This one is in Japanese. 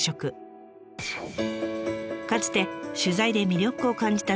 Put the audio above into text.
かつて取材で魅力を感じた